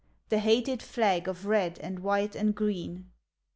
The hated flag of red and white and green.